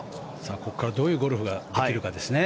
ここからどういうゴルフができるかですね。